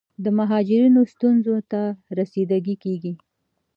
د مهاجرینو ستونزو ته رسیدګي کیږي.